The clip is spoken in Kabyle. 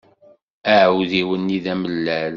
Aɛudiw-nni d amellal.